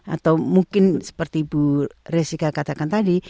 atau mungkin seperti ibu rizky katakan tadi